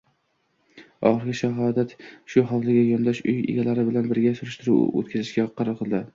Oxiri Shahodat shu hovliga yondosh uy egalari bilan bir surishtiruv o`tkazishga qaror qildi